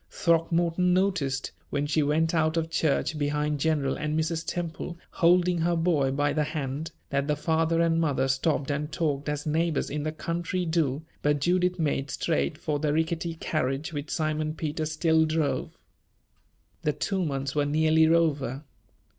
Throckmorton noticed, when she went out of church behind General and Mrs. Temple, holding her boy by the hand, that the father and mother stopped and talked as neighbors in the country do, but Judith made straight for the rickety carriage which Simon Peter still drove. The two months were nearly over.